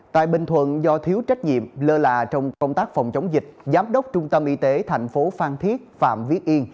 tại bình thuận do thiếu trách nhiệm lơ là trong công tác phòng chống dịch giám đốc trung tâm y tế thành phố phan thiết phạm viết yên